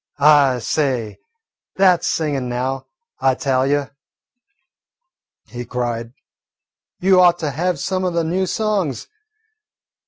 "I say, that 's singin' now, I tell you," he cried. "You ought to have some o' the new songs.